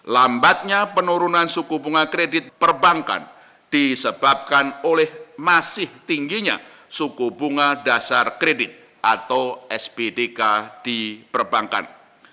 lambatnya penurunan suku bunga kredit perbankan disebabkan oleh masih tingginya suku bunga dasar kredit atau spdk di perbankan